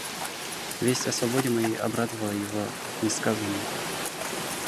Весть о свободе моей обрадовала его несказанно.